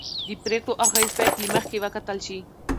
د پرېکړو اغېز باید له مخکې وکتل شي